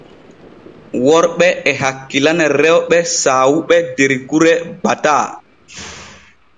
Worɓe e hakkilana rewɓe saawuɓe der gure gbataa.